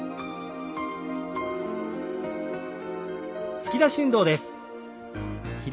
突き出し運動です。